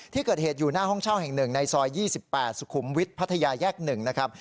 ที่เกิดเหตุอยู่หน้าห้องเช่าแห่งหนึ่งในซอย๒๘สุขุมวิทย์พัทยาแยก๑นะครับ